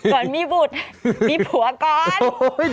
ก่อนมีบุตรมีผัวก่อน